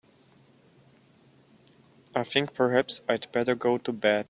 I think perhaps I'd better go to bed.